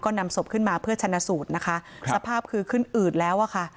นำศพขึ้นมาเพื่อชนะสูตรนะคะสภาพคือขึ้นอืดแล้วอะค่ะ